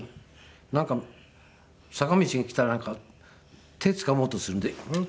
なんか坂道に来たら手つかもうとするんでん！